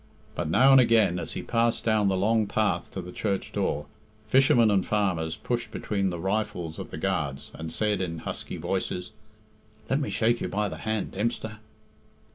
But now and again, as he passed down the long path to the church door, fishermen and farmers pushed between the rifles of the guards, and said in husky voices, "Let me shake you by the hand, Dempster."